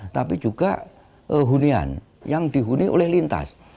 tapi juga hunian yang dihuni oleh lintas